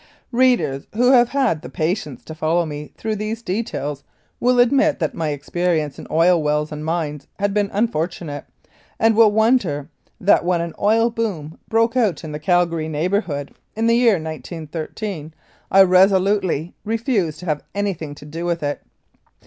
Readers who have had the patience to follow me through these details will admit that my experience in oil wells and mines had been unfortunate, and will not wonder that when an oil boom broke out in the Calgary neighbourhood in the year 1913 I resolutely refused to have anything to do with it.